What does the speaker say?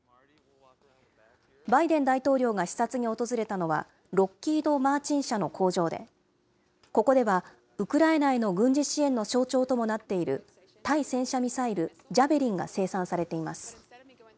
バイデン大統領が視察に訪れたのは、ロッキード・マーチン社の工場で、ここでは、ウクライナへの軍事支援の象徴ともなっている、対戦車ミサイル、ジャベリンが生産されています。